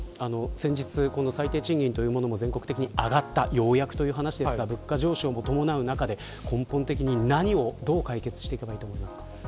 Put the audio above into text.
先日、最低賃金というものも全国的に上がったという話ですが物価上昇も伴う中で根本的に、何をどう解決していけばいいと思いますか。